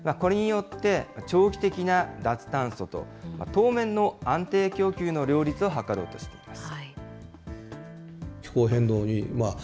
これによって長期的な脱炭素と、当面の安定供給の両立を図ろうとしています。